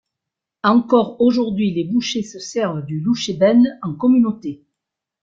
Encore aujourd'hui les bouchers se servent du louchébem en communauté.